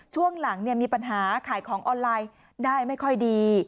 ช่วงหลังมีปัญหาขายของออนไลน์ได้ไม่ค่อยดี